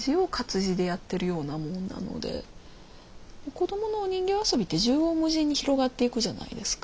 子供のお人形遊びって縦横無尽に広がっていくじゃないですか。